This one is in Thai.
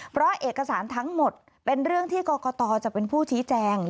เพราะเอกสารทั้งหมดเป็นเรื่องที่กรกตจะเป็นผู้ชี้แจง